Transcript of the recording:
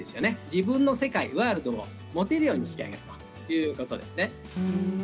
自分の世界、ワールドを持てるようにしてあげるということです。